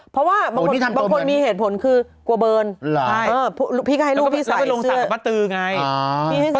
เพราะว่าบางคนมีเหตุผลคือกลัวเบิร์นพี่ก็ให้ลูกพี่สาวไปลงศักดิบะตือไง